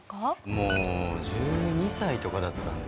もう１２歳とかだったんですね。